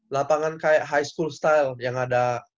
lapangan kayak high school style yang ada